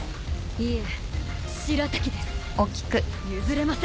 いえしらたきです。